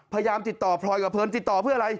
พยายามติดต่อพลอยกับเพลินติดต่อเพื่ออะไร